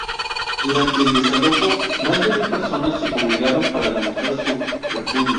Durante el desalojo más de mil personas se congregaron para demostrar su repudio.